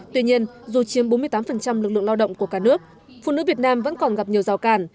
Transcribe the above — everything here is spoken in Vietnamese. tuy nhiên dù chiếm bốn mươi tám lực lượng lao động của cả nước phụ nữ việt nam vẫn còn gặp nhiều rào càn